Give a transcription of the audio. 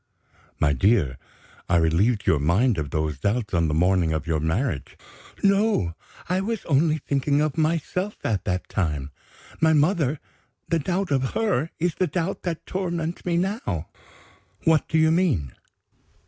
"My dear, I relieved your mind of those doubts on the morning of your marriage." "No. I was only thinking of myself at that time. My mother the doubt of her is the doubt that torments me now." "What do you mean?"